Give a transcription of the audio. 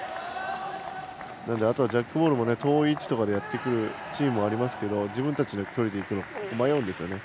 ジャックボールが遠い位置とかでやってくるチームもありますけど自分たちの距離でいくか迷うんですね。